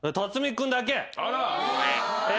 え！